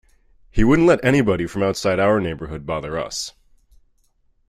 He wouldn't let anybody from outside our neighborhood bother us.